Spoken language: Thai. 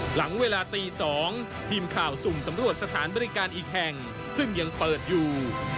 หลังเวลาตี๒ทีมข่าวสุ่มสำรวจสถานบริการอีกแห่งซึ่งยังเปิดอยู่